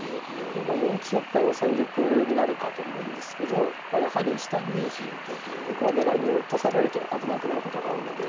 ４一玉か４三玉になるかと思うんですけどやはり下に玉は下段に落とされると危なくなることが多いので。